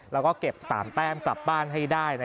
แล้วก็เก็บสามแต้นกลับบ้านให้ได้ครับ